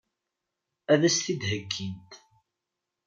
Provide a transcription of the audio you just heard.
Ad as-t-id-heggint?